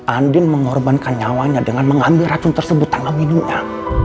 andin mengorbankan nyawanya dengan mengambil racun tersebut tangan minumnya